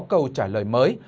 cần có câu trả lời mới